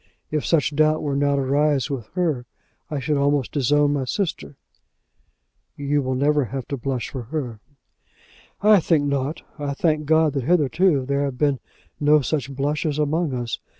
If such doubt were now to arise with her, I should almost disown my sister." "You will never have to blush for her." "I think not. I thank God that hitherto there have been no such blushes among us.